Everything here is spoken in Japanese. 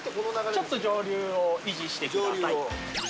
ちょっと上流を維持してください。